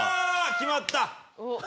決まった。